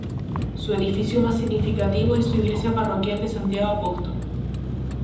Su edificio más significativo es su iglesia parroquial de Santiago Apóstol.